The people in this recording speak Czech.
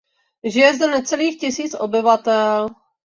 Žije zde necelých tisíc obyvatel.